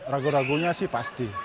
ragu ragunya sih pasti